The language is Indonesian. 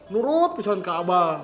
menurut pisah kak abah